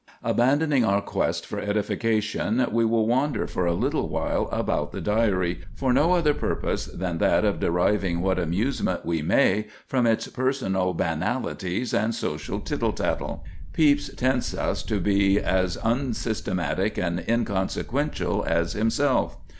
Abandoning our quest for edification, we will wander for a little while about the Diary, for no other purpose than that of deriving what amusement we may from its personal banalities and social tittle tattle. Pepys tempts us to be as unsystematic and inconsequential as himself.